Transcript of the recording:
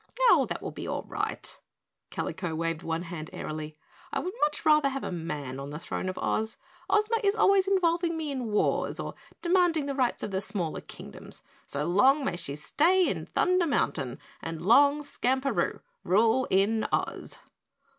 "Oh, that will be all right!" Kalico waved one hand airily. "I would much rather have a man on the throne of Oz. Ozma is always involving me in wars or demanding the rights of smaller Kingdoms, so long may she stay in Thunder Mountain and long Skamperoo rule in Oz!"